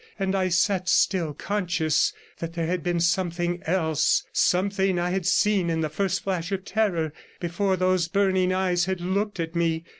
And I sat still, conscious that there had been something else, something I had seen in the first flash of terror, before those burning eyes had looked at me.